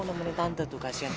cepat cepat ada buruan